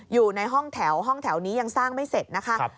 อยู่ในห้องแถวห้องแถวนี้ยังสร้างไม่เสร็จนะคะ